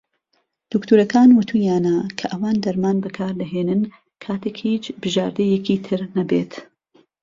دکتۆرەکان وتوویانە کە ئەوان دەرمان بەکار دەهێنن کاتێک "هیچ بژاردەیەکی تر نەبێت".